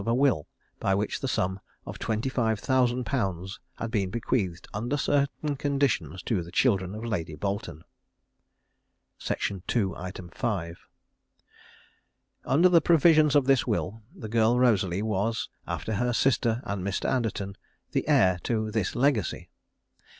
5.) of a will by which the sum of 25,000_l_. had been bequeathed, under certain conditions, to the children of Lady Boleton. Under the provisions of this will, the girl Rosalie was, after her sister and Mr. Anderton, the heir to this legacy.